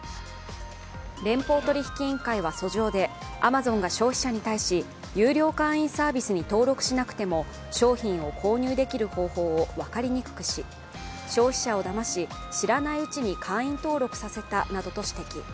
連邦取引委員会は訴状でアマゾンが消費者に対し有料会員サービスに登録しなくても商品を購入できる方法を分かりにくくし消費者をだまし、知らないうちに会員登録させたなどと指摘。